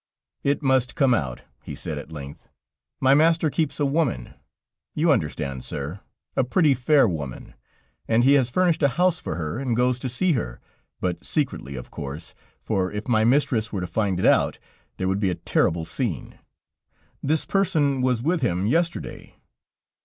"It must come out," he said at length. "My master keeps a woman you understand, sir, a pretty, fair woman; and he has furnished a house for her and goes to see her, but secretly of course, for if my mistress were to find it out, there would be a terrible scene. This person was with him yesterday."